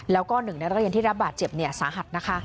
แล้วก็หนึ่งในนักเรียนที่รับบาดเจ็บสาหัสนะคะ